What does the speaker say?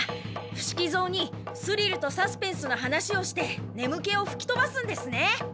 伏木蔵にスリルとサスペンスの話をして眠気をふきとばすんですね！